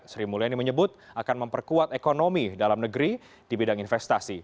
sri mulyani menyebut akan memperkuat ekonomi dalam negeri di bidang investasi